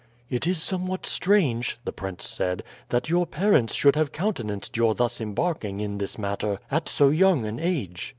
"It is somewhat strange," the prince said, "that your parents should have countenanced your thus embarking in this matter at so young an age."